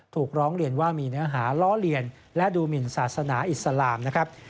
ถูกร้องเรียนว่ามีเนื้อหาล้อเลียนและดูหมินศาสนาอิสลามนะครับ